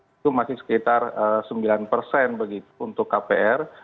itu masih sekitar sembilan persen begitu untuk kpr